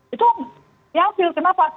itu diambil kenapa